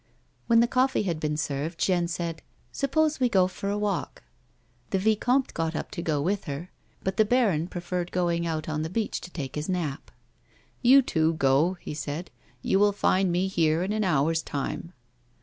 When the coff"ee had been served Jeanne said :" Suppose we go for a walk ?" The vicomte got up to go with her, but the baron pre ferred going out on the beach to take his najJ. " You two go," he said. " You will find me here in an hour's time."